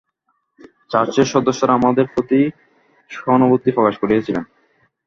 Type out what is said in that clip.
চার্চের সদস্যেরা আমার প্রতি যথেষ্ট সহানুভূতি প্রকাশ করিয়াছিলেন।